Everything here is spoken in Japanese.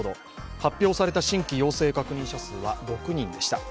発表された新規陽性確認者数は６人でした。